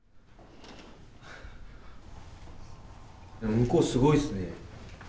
向こうすごいですね。